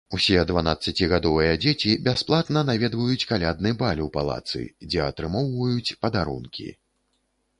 Усе дванаццацігадовыя дзеці бясплатна наведваюць калядны баль у палацы, дзе атрымоўваюць падарункі.